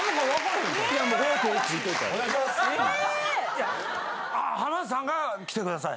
・いや浜田さんが来てください。